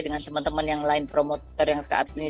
dengan teman teman yang lain promotor yang sekeat ini